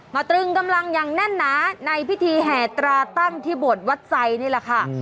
ตรึงกำลังอย่างแน่นหนาในพิธีแห่ตราตั้งที่บวชวัดไซค์นี่แหละค่ะ